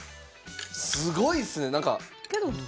すごいっすね中。